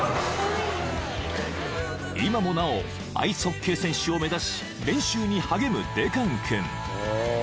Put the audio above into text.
［今もなおアイスホッケー選手を目指し練習に励むデカン君］